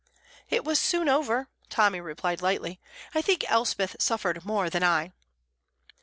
"It was soon over," Tommy replied lightly. "I think Elspeth suffered more than I."